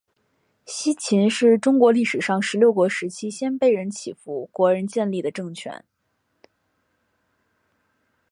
西秦是中国历史上十六国时期鲜卑人乞伏国仁建立的政权。